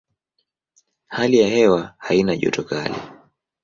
Hali ya hewa haina joto kali.